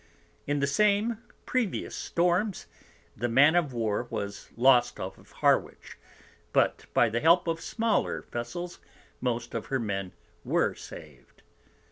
In the same previous Storms the Man of War was lost off of Harwich; but by the help of smaller Vessels most of her Men were sav'd.